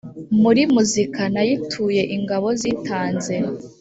muri muzika Nayituye Ingabo zitanze